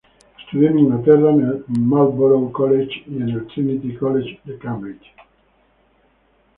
Estudió en Inglaterra en el Marlborough College y en el Trinity College de Cambridge.